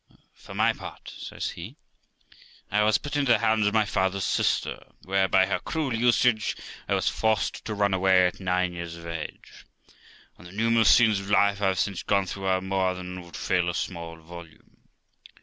For my part', says he, 'I was put into the hands of my father's sister, where, by her cruel usage, I was forced to run away at nine years of age; and the numerous scenes of life I have since gone through are more than would fill a small volume.